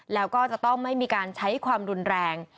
แล้วก็จะต้องไม่มีการใช้ความรุนแรง